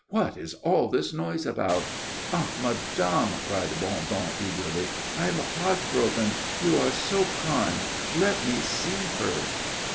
"What is all this noise about?" "Ah, madame!" cried Bondon, eagerly, "I am heart broken. You who are so kind let me see her."